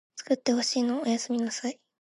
つくってほしいのおやすみなさい